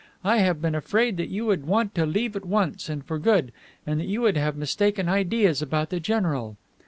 I have been afraid that you would want to leave at once and for good, and that you would have mistaken ideas about the general.